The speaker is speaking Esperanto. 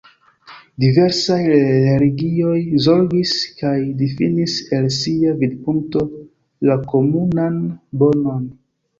Diversaj religioj zorgis kaj difinis, el sia vidpunkto, la komunan bonon.